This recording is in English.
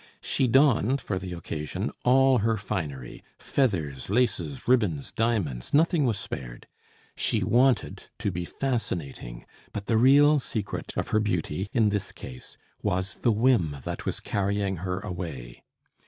She donned for the occasion all her finery; feathers, laces, ribbons, diamonds, nothing was spared. She wanted to be fascinating; but the real secret of her beauty, in this case, was the whim that was carrying her away.